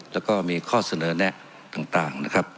แล้วก็มีข้อเสนอแนะต่างนะครับ